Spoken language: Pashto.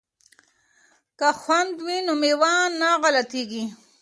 که خوند وي نو مېوه نه غلطیږي.